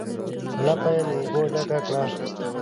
لپه یې له اوبو ډکه کړه.